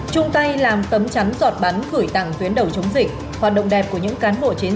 chung tay làm tấm chắn giọt bắn gửi tặng tuyến đầu chống dịch hoạt động đẹp của những cán bộ chiến sĩ